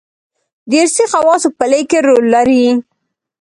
دارثي خواصو په لېږد کې رول لري.